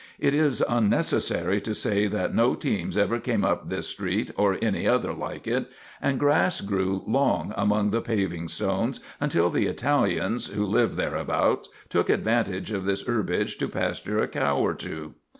It is unnecessary to say that no teams ever came up this street or any other like it, and grass grew long among the paving stones until the Italians who live thereabouts took advantage of this herbage to pasture a cow or two.